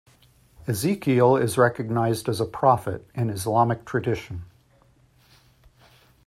Ezekiel is recognized as a prophet in Islamic tradition.